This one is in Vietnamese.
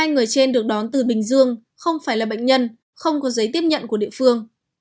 một mươi người trên được đón từ bình dương không phải là bệnh nhân không có giấy tiếp nhận của địa phương